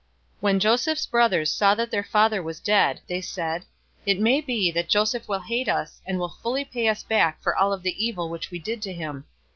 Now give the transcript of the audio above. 050:015 When Joseph's brothers saw that their father was dead, they said, "It may be that Joseph will hate us, and will fully pay us back for all of the evil which we did to him."